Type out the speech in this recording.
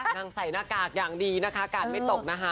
ใส่หน้ากากอย่างดีนะคะกาดไม่ตกนะคะ